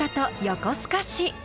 横須賀市。